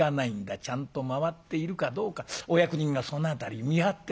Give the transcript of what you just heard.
ちゃんと回っているかどうかお役人がその辺り見張ってますんでね